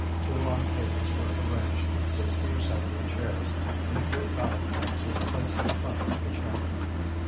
Two long tables were arranged with sixty or seventy chairs and a great ballot box was placed in front of the chairman.